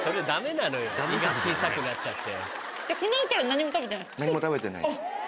胃が小さくなっちゃって。